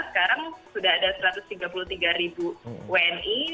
sekarang sudah ada satu ratus tiga puluh tiga ribu wni